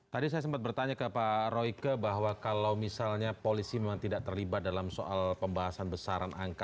tadi saya sempat bertanya ke pak royke bahwa kalau misalnya polisi memang tidak terlibat dalam soal pembahasan besaran angka